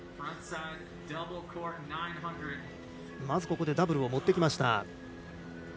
まず、ダブルを持ってきました。